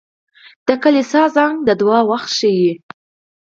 • د کلیسا زنګ د دعا وخت ښيي.